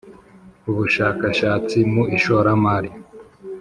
Ubushakashatsi mu ishoramari